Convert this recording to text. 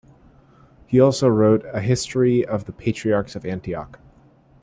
He wrote also a "History of the Patriarchs of Antioch".